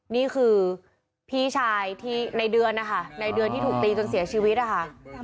นี่คือพี่ชายในเดือนที่ถูกตีจนเสียชีวิตอ่ะค่ะ